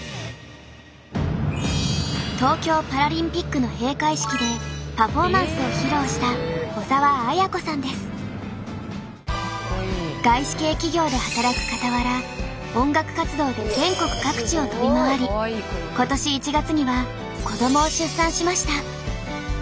東京パラリンピックの閉会式でパフォーマンスを披露した外資系企業で働くかたわら音楽活動で全国各地を飛び回り今年１月には子どもを出産しました。